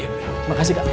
ya ampun bapak sadar pak